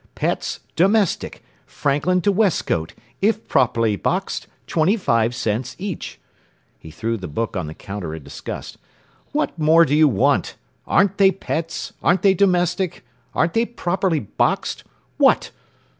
'Pets, domestic, Franklin to Westcote, if properly boxed, twenty five cents each.'” He threw the book on the counter in disgust. “What more do you want? Aren't they pets? Aren't they domestic? Aren't they properly boxed? What?